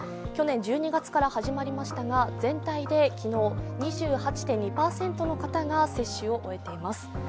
去年１２月から始まりましたが全体で昨日、２８．２％の方が接種を終えています。